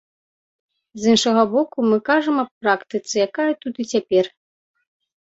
З іншага боку, мы кажам аб практыцы, якая тут і цяпер.